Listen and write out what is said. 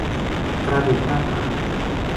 กระดูกหน้าผาก